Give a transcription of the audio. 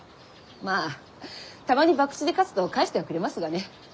まあたまに博打で勝つと返してはくれますがね。